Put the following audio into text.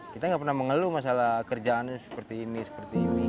kita nggak pernah mengeluh masalah kerjaannya seperti ini seperti ini